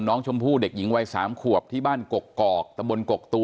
น้องชมพู่เด็กหญิงวัดสามขวบที่บ้านกอกกอกตำบลกกตู